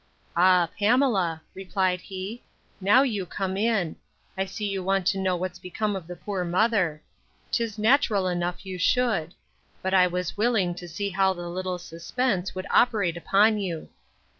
Ah, Pamela, replied he, now you come in; I see you want to know what's become of the poor mother. 'Tis natural enough you should; but I was willing to see how the little suspense would operate upon you.